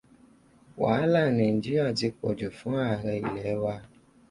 Wàhálà Nàíjíríà ti pọ̀jù fún Ààrẹ ilẹ̀ wa.